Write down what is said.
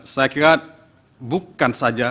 saya kira bukan saja